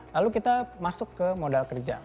lalu kita masuk ke modal kerja